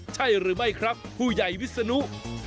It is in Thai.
ใช่หรือไม่ครับผู้ใหญ่วิศนุ